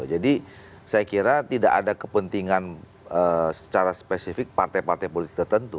jadi saya kira tidak ada kepentingan secara spesifik partai partai politik tertentu